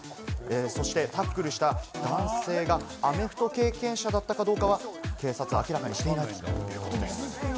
そしてタックルした男性がアメフト経験者だったかどうかは警察は明らかにしていないということです。